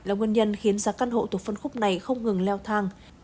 là nguyên nhân khiến giá căn hộ thuộc phân khúc này không ngừng leo thang